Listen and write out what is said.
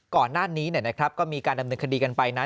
ก่อนหน้านี้นะครับก็มีการดำเนินคดีอันไปมีนะ